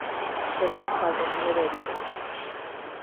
Quedó un saldo de nueve heridos.